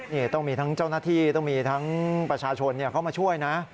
นี่ต้องมีทั้งเจ้าหน้าที่ต้องมีทั้งประชาชนเข้ามาช่วยนะ